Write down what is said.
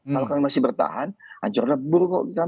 kalau kami masih bertahan ancur dah buruk kok kita